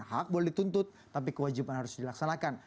hak boleh dituntut tapi kewajiban harus dilaksanakan